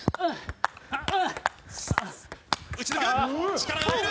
力が入る。